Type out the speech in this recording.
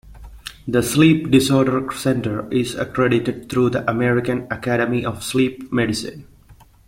The sleep disorder center is accredited through the American Academy of Sleep Medicine.